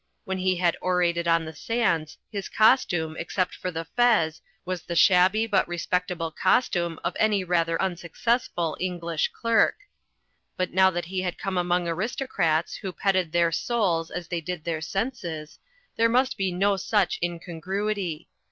When he had orated on the sands his cos tume, except for the fez, was the shabby but respect able costimie of any rather unsuccessful English clerk. But now that he had come among aristocrats who petted their souls as they did their senses, there must be no such incongruity.